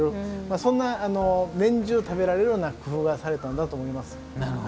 そんな年中食べられるような工夫がされたんだと思います。